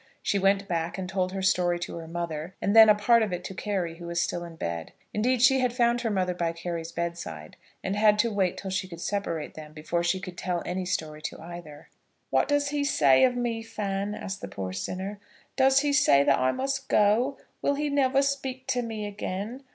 She went back and told her story to her mother, and then a part of it to Carry who was still in bed. Indeed, she had found her mother by Carry's bedside, and had to wait till she could separate them before she could tell any story to either. "What does he say of me, Fan?" asked the poor sinner. "Does he say that I must go? Will he never speak to me again?